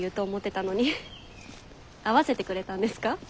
合わせてくれたんですか？